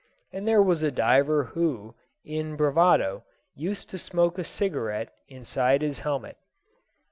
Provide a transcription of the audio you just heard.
And there was a diver who, in bravado, used to smoke a cigarette inside his helmet.